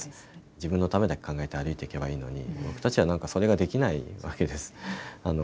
自分のためだけ考えて歩いていけばいいのに僕たちはそれができないわけです。